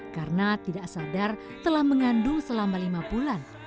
karena tidak sadar telah mengandung selama lima bulan